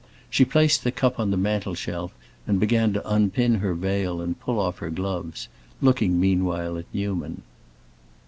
She placed the cup on the mantel shelf and begun to unpin her veil and pull off her gloves, looking meanwhile at Newman.